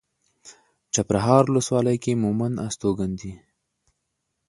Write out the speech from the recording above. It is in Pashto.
چپرهار ولسوالۍ کې مومند استوګن دي.